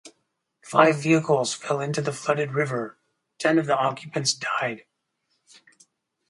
Five vehicles fell into the flooded river, ten of the occupants died.